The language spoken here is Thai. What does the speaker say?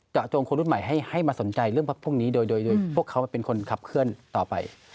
จงคนรุ่นใหม่ให้มาสนใจเรื่องพักพวกนี้โดยพวกเขาเป็นคนขับเคลื่อนต่อไป